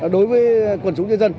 đối với quần chúng nhân dân